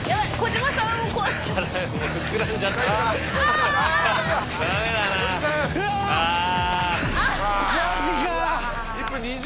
マジか。